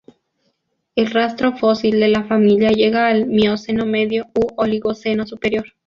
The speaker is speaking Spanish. El rastro fósil de la familia llega al Mioceno medio u Oligoceno superior.